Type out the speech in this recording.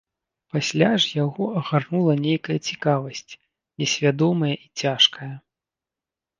Пасля ж агарнула яго нейкая цікавасць, несвядомая і цяжкая.